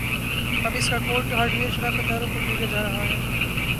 اب اسکا code hardware شراکت داروں کو بھیجا جارہا ہے